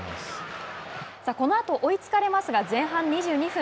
このあと追いつかれますが前半２２分。